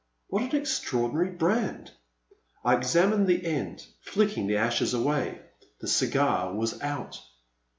What an extraordi nary brand ! I examined the end, flicking the ashes away. The cigar was out.